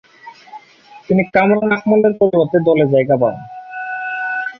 তিনি কামরান আকমল এর পরিবর্তে দলে জায়গা পান।